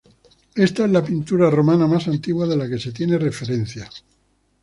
Esta es la pintura romana más antigua de la que se tiene referencia.